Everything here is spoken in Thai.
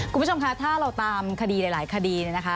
คุณผู้ชมคะถ้าเราตามคดีหลายคดีเนี่ยนะคะ